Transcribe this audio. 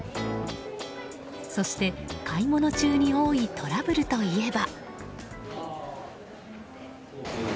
そして、買い物中に多いトラブルといえば。